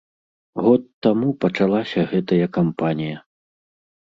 Год таму пачалася гэтая кампанія.